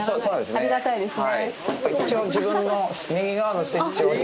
ありがたいですね。